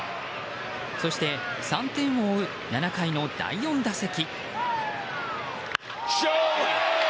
そして３点を追う７回の第４打席。